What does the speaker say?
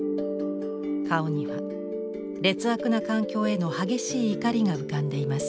顔には劣悪な環境への激しい怒りが浮かんでいます。